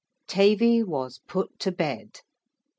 Tavy was put to bed.